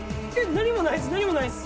何もないです！